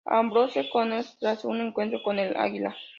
Ambrose Connors tras un encuentro con El Águila.